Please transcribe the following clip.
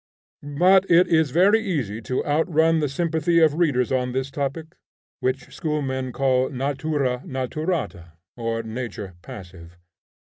But it is very easy to outrun the sympathy of readers on this topic, which schoolmen called natura naturata, or nature passive.